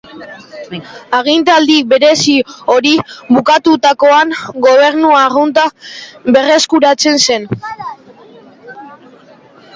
Agintaldi berezi hori bukatutakoan, gobernu arrunta berreskuratzen zen.